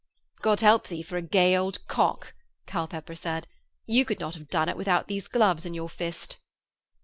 'God help thee for a gay old cock,' Culpepper said. 'You could not have done it without these gloves in your fist.'